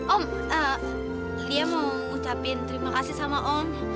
om lia mau ngucapin terima kasih sama om